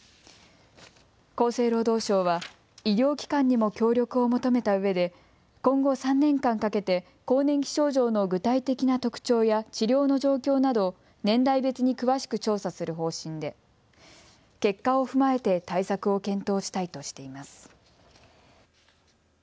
厚生労働省は、医療機関にも協力を求めたうえで、今後３年間かけて、更年期症状の具体的な特徴や治療の状況など、年代別に詳しく調査する方針で、結果を踏まえて、対策を検討したいとしています。